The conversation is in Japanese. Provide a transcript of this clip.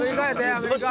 アメリカ。